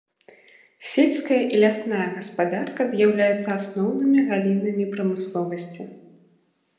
Сельская і лясная гаспадарка з'яўляюцца асноўнымі галінамі прамысловасці.